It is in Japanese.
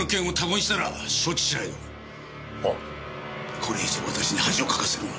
これ以上私に恥をかかせるな。